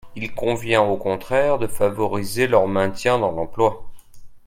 Il convient au contraire de favoriser leur maintien dans l’emploi.